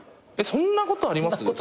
そんなことあります？